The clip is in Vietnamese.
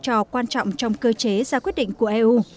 epe là một chủ cột quan trọng trong cơ chế ra quyết định của eu